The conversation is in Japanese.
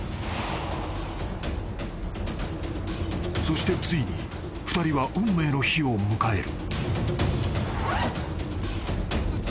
［そしてついに２人は運命の日を迎える］